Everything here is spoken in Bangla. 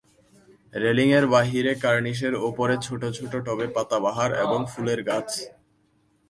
রেলিঙের বাহিরে কার্নিসের উপরে ছোটো ছোটো টবে পাতাবাহার এবং ফুলের গাছ।